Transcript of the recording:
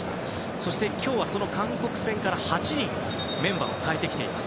そして今日はその韓国戦から８人メンバーを変えてきています。